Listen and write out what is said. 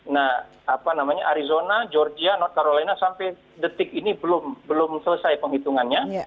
nah apa namanya arizona georgia not carolina sampai detik ini belum selesai penghitungannya